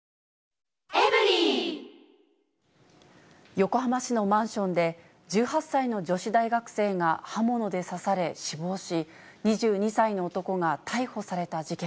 横浜市のマンションで、１８歳の女子大学生が刃物で刺され死亡し、２２歳の男が逮捕された事件。